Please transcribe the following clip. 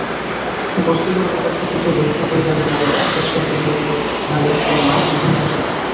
বস্তিগুলোর অপেক্ষাকৃত দরিদ্র পরিবারের নারীরা সচ্ছল পরিবারগুলোর নারীদের তুলনায় দ্বিগুণ কৃশকায়।